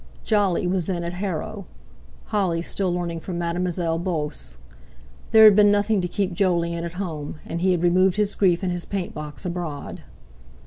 Jolly was then at Harrow; Holly still learning from Mademoiselle Beauce. There had been nothing to keep Jolyon at home, and he had removed his grief and his paint box abroad.